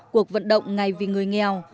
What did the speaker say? cuộc vận động ngày vì người nghèo